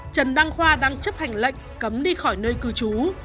trần đăng khoa đang chấp hành lệnh cấm đi khỏi nơi cư trú